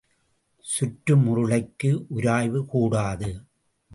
சுற்றும் உருளைக்கு உராய்வு கூடாது.